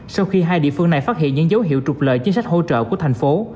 sau khi hai địa phương này phát hiện những dấu hiệu trục lợi chính sách hỗ trợ của thành phố